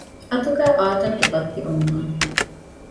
އަތުގައި އާދަނުގެ ބައްތި އޮންނާނެ